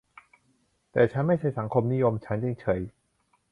แต่ฉันไม่ใช่สังคมนิยม ฉันจึงเฉย